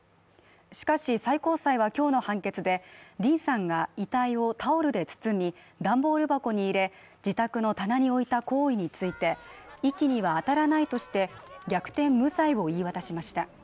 しかし最高裁は今日の判決で、リンさんが遺体をタオルで包みダンボール箱に入れ、自宅の棚に置いた行為について遺棄には当たらないとして、逆転無罪を言い渡しました。